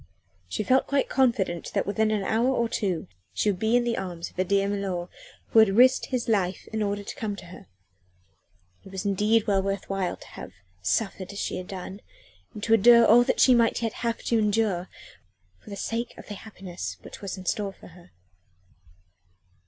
She felt quite confident that within an hour or two she would be in the arms of her dear milor who had risked his life in order to come to her. It was indeed well worth while to have suffered as she had done, to endure all that she might yet have to endure, for the sake of the happiness which was in store for her.